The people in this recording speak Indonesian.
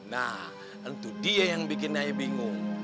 nah itu dia yang bikin saya bingung